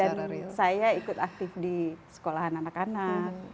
dan saya ikut aktif di sekolahan anak anak